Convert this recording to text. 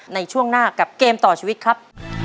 ในช่วงหน้ากับเกมต่อชีวิตครับ